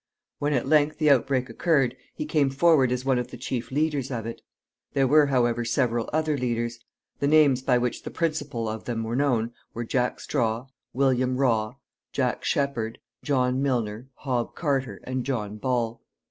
When at length the outbreak occurred, he came forward as one of the chief leaders of it; there were however, several other leaders. The names by which the principal of them were known were Jack Straw, William Wraw, Jack Shepherd, John Milner, Hob Carter, and John Ball.